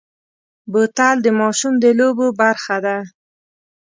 بوتل د ماشوم د لوبو برخه ده.